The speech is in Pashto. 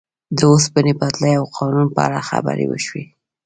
د اوسپنې پټلۍ او قانون په اړه خبرې وشوې.